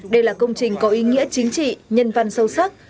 đây là công trình có ý nghĩa chính trị nhân văn sâu sắc